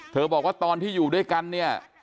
บอกว่าตอนที่อยู่ด้วยกันเนี่ย